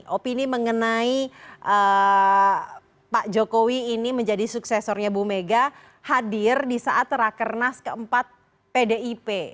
opini mengenai pak jokowi ini menjadi suksesornya bu mega hadir di saat rakernas keempat pdip